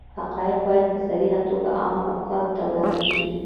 حقایق باید په صریحه توګه عامه افکارو ته وړاندې شي.